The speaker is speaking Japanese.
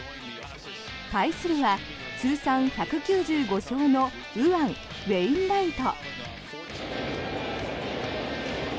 対するは通算１９５勝の右腕、ウェインライト。